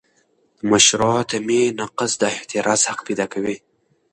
د مشروع تمې نقض د اعتراض حق پیدا کوي.